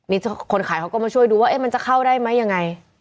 นี่คนขายเขาก็มาช่วยดูว่ามันจะเข้าได้ไหมยังไง